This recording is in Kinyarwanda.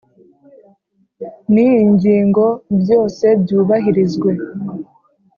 n iyi ngingo byose byubahirizwe